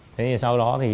thế sau đó thì